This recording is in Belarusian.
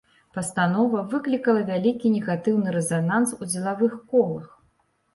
Пастанова выклікала вялікі негатыўны рэзананс у дзелавых колах.